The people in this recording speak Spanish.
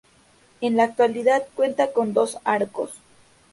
En la actualidad cuenta con dos arcos.